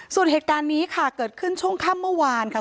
ส่วนเหตุการณ์นี้ค่ะเกิดขึ้นช่วงค่ำเมื่อวานค่ะ